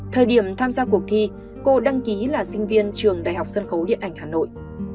thời điểm tham gia cuộc thi cô đăng ký là sinh viên trường đại học sân khấu điện ảnh hà nội